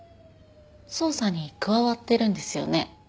捜査に加わってるんですよね？